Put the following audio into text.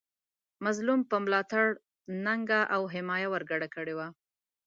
د مظلوم په ملاتړ ننګه او حمایه ورګډه کړې وه.